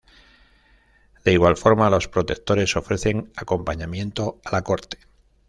De igual forma los protectores ofrecen acompañamiento a la corte.